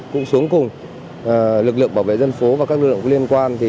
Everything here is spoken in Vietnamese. cũng xuống cùng lực lượng bảo vệ dân phố và các lực lượng quý vị